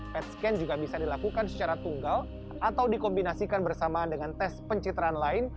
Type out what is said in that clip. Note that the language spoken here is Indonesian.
pet scan juga bisa dilakukan secara tunggal atau dikombinasikan bersamaan dengan tes pencitraan lain